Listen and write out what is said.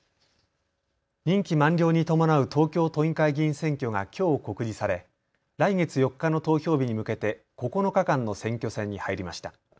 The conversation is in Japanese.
任期満了に伴う東京都議会議員選挙がきょう告示され来月４日の投票日に向けて９日間の選挙戦に入りました。